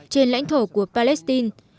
trên lãnh thổ của palestine